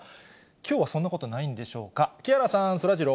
きょうはそんなことないんでしょうか。